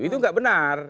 itu nggak benar